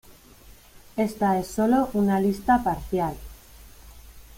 Esta es sólo una lista parcial.